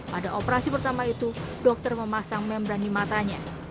pada operasi pertama itu dokter memasang membrani matanya